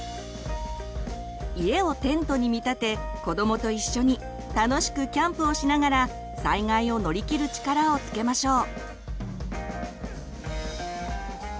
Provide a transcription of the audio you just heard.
家をテントに見立て子どもと一緒に楽しくキャンプをしながら災害を乗り切る力をつけましょう。